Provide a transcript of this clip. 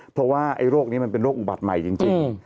เพราะว่าไอ้โรคนี้มันเป็นโรคอุบัติใหม่จริง